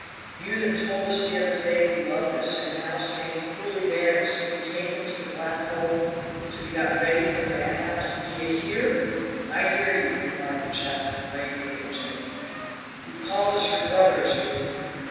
You that told us the other day you loved us, and now stand coolly there and see me taken to the black hole to be got ready for the mad house? D'ye hear?" "I hear you," replied the chaplain gravely and gently. "You called us your brothers, you."